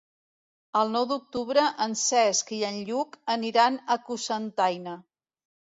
El nou d'octubre en Cesc i en Lluc aniran a Cocentaina.